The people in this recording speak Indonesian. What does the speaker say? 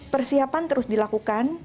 persiapan terus dilakukan